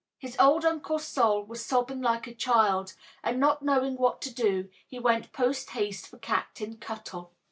His old Uncle Sol was sobbing like a child, and not knowing what else to do, he went post haste for Captain Cuttle.